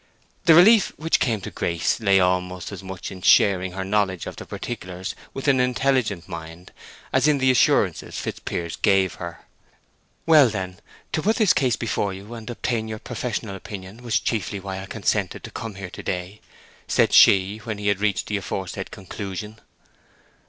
The relief which came to Grace lay almost as much in sharing her knowledge of the particulars with an intelligent mind as in the assurances Fitzpiers gave her. "Well, then, to put this case before you, and obtain your professional opinion, was chiefly why I consented to come here to day," said she, when he had reached the aforesaid conclusion.